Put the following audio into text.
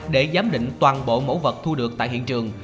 để giám định toàn bộ mẫu vật thu được tại hiện trường